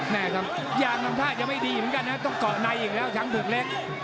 แน่ครับยางทำท่าจะไม่ดีเหมือนกันนะครับต้องเกาะในอีกแล้วช้างปลูกเล็ก